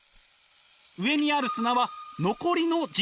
上にある砂は残りの人生です。